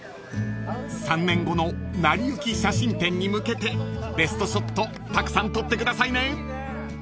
［３年後の『なりゆき』写真展に向けてベストショットたくさん撮ってくださいね］